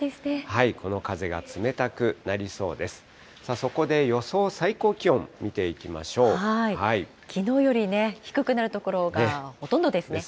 この風が冷たくなりそうです。